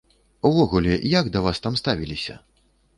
Увогуле, як да вас там ставіліся?